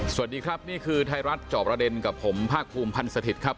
สวัสดีครับนี่คือไทยรัฐจอบประเด็นกับผมภาคภูมิพันธ์สถิตย์ครับ